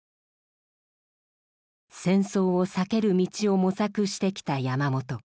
戦争を避ける道を模索してきた山本。